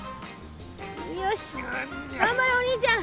よしがんばれお兄ちゃん。